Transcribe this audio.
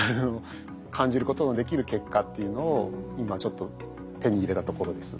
感じることのできる結果っていうのを今ちょっと手に入れたところです。